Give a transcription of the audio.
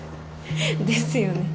ですよね。